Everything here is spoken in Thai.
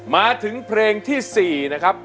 มาถึงเพลงที่๔นะครับ